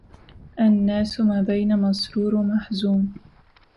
الناس ما بين مسرور ومحزون